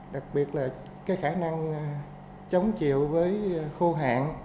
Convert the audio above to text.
đặc biệt là cái khả năng chống chịu với khô hạn